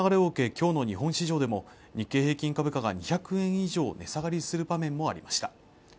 今日の日本市場でも日経平均株価が２００円以上値下がりする場面もありました